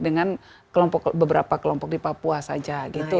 dengan beberapa kelompok di papua saja